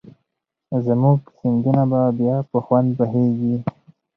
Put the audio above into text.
زموږ سیندونه به بیا په خوند بهېږي.